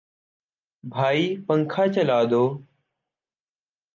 بھائی پنکھا چلا دو